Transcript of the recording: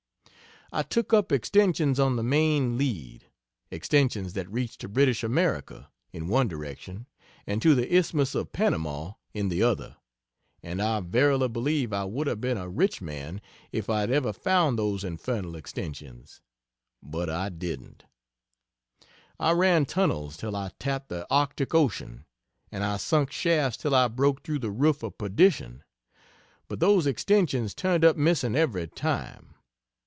I took up extensions on the main lead extensions that reached to British America, in one direction, and to the Isthmus of Panama in the other and I verily believe I would have been a rich man if I had ever found those infernal extensions. But I didn't. I ran tunnels till I tapped the Arctic Ocean, and I sunk shafts till I broke through the roof of perdition; but those extensions turned up missing every time.